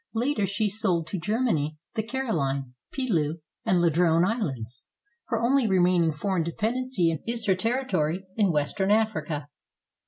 Later, she sold to Germany the CaroHne, Pelew, and Ladrone Islands. Her only remaining foreign dependency is her territory in western Africa.